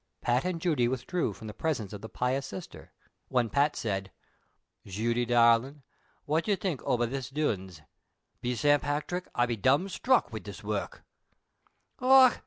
Pat and Judy withdrew from the presence of the pious sister, when Pat said :" Judy darlin, what ye tink ov this doms ? Be Sant Patrick, I be dumb sthruck wid this work."